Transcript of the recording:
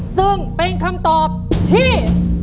ซึ่งเป็นคำตอบที่